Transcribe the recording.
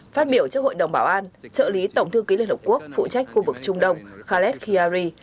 phát biểu trước hội đồng bảo an trợ lý tổng thư ký liên hợp quốc phụ trách khu vực trung đông khaled khayyari